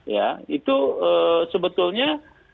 ya itu sebetulnya